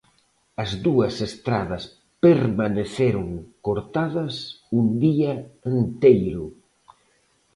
As dúas estradas permaneceron cortadas un día enteiro.